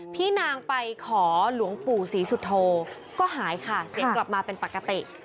พี่นางไปขอหลวงปู่ศรีสุโธก็หายค่ะเสียงกลับมาเป็นปกติ